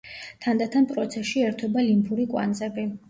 თანდათან პროცესში ერთვება ლიმფური კვანძები.